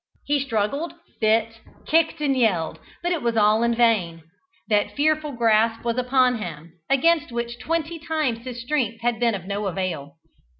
He struggled, bit, kicked and yelled, but it was all in vain. That fearful grasp was upon him, against which twenty times his strength had been of no avail.